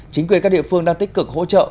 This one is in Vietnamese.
chính quyền các địa phương đang tích cực hỗ trợ